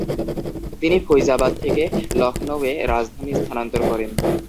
তিনি ফৈজাবাদ থেকে লখনৌয়ে রাজধানী স্থানান্তর করে।